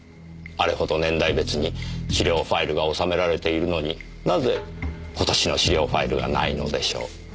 あれほど年代別に資料ファイルが収められているのになぜ今年の資料ファイルがないのでしょう。